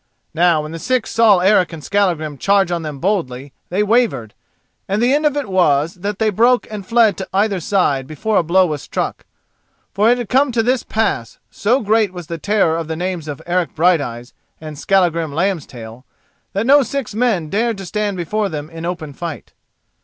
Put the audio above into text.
Now when the six saw Eric and Skallagrim charge on them boldly, they wavered, and the end of it was that they broke and fled to either side before a blow was struck. For it had come to this pass, so great was the terror of the names of Eric Brighteyes and Skallagrim Lambstail, that no six men dared to stand before them in open fight.